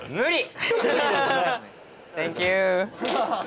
センキュー。